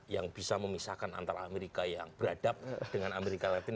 yang bisa memisahkan antara amerika yang beradab dengan amerika latin